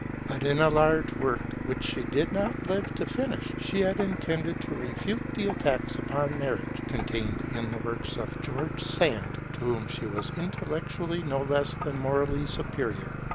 But in a large work which she did not live to finish, she had intended to refute the attacks upon marriage, contained in the works of George Sand, to whom she was intellectually no less than morally superior.